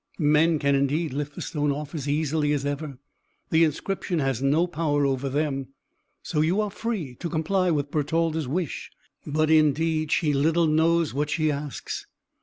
Men can indeed lift the stone off as easily as ever; the inscription has no power over them. So you are free to comply with Bertalda's wish; but indeed, she little knows what she asks.